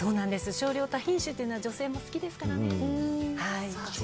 少量多品種は女性も好きですからね。